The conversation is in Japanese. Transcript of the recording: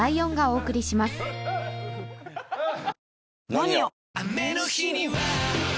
「ＮＯＮＩＯ」！